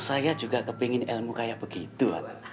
saya juga kepingin ilmu kayak begitu